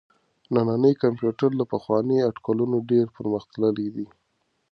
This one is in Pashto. نننی کمپيوټر له پخوانيو اټکلونو ډېر پرمختللی دی.